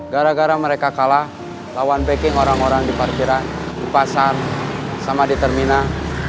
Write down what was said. gara gara mereka kalah lawan backing orang orang di parkiran di pasar sama di terminal